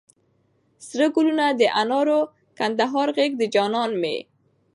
سره ګلونه د انارو، کندهار غېږ د جانان مي